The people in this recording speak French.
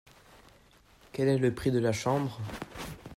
Quel est le prix de la chambre ?